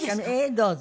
どうぞ。